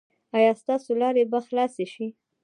ایا ستاسو لارې به خلاصې شي؟